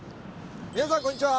皆さんこんにちは。